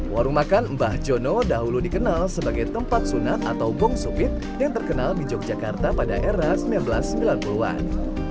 warung makan mbah jono dahulu dikenal sebagai tempat sunat atau bong supit yang terkenal di yogyakarta pada era seribu sembilan ratus sembilan puluh an